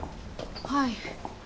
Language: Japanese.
はい。